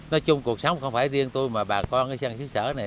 nói chung cuộc sống không phải riêng tôi mà bà con ở sân sứ sở này